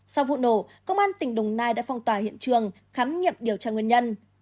sau vụ nổ công an tỉnh đồng nai đã phong tỏa hiện trường khám nghiệm điều tra nguyên nhân